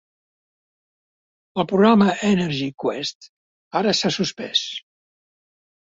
El programa Energy Quest ara s'ha suspès.